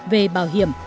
về bảo hiểm